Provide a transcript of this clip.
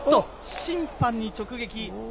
審判に直撃。